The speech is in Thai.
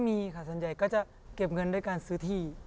มีค่ะส่วนใหญ่ก็จะเก็บเงินด้วยการซื้อที่